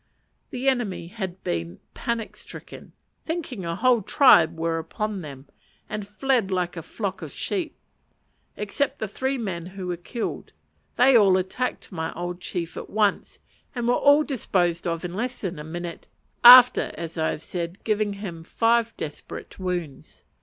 The enemy had been panic stricken, thinking a whole tribe were upon them, and fled like a flock of sheep: except the three men who were killed. They all attacked my old chief at once, and were all disposed of in less than a minute, after, as I have said, giving him five desperate wounds.